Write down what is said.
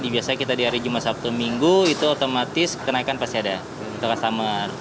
biasanya kita di hari jumat sabtu minggu itu otomatis kenaikan pasti ada untuk customer